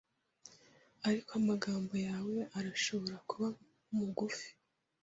Ariko amagambo yawe arashobora kuba mugufi